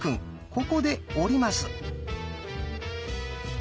ここで降ります。